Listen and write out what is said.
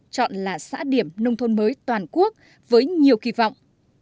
chọn là xã điểm nông thôn mới toàn quốc với nhiều kỳ vọng